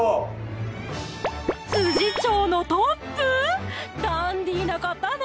調のトップ⁉ダンディーな方ね！